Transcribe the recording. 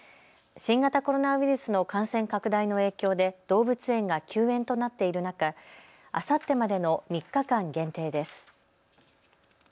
新型コロナウイルスの感染拡大の影響で動物園が休園となっている中、あさってまでの３日間限定です。